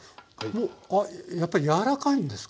あっやっぱり柔らかいんですか？